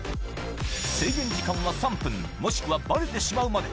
制限時間は３分、もしくはバレてしまうまで。